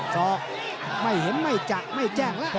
ศอกไม่เห็นไม่จะไม่แจ้งแล้ว